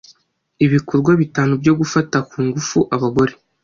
ibikorwa bitanu byo gufata ku ngufu abagore